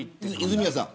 泉谷さん。